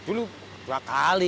dulu dua kali